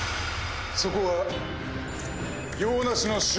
そこは。